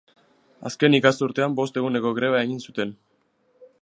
Azken ikasturtean bost eguneko greba egin zuten.